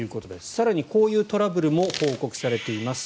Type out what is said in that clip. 更に、こういうトラブルも報告されています。